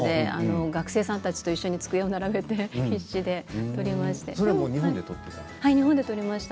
学生さんたちと一緒に机を並べて取りました。